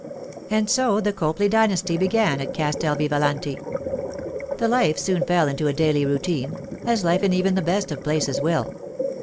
And so the Copley dynasty began at Castel Vivalanti. The life soon fell into a daily routine, as life in even the best of places will.